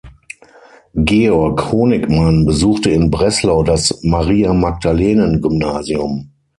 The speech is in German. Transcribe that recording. Georg Honigmann besuchte in Breslau das Maria-Magdalenen-Gymnasium.